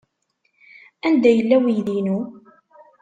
Anda yella uydi-inu?